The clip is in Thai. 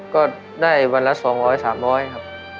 ก็ได้วันละสองร้อยสามร้อยครับ